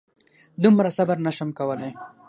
دومره صبر نه شم کولی.